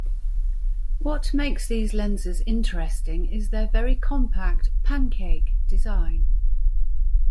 What makes these lenses interesting is their very compact "pancake" design.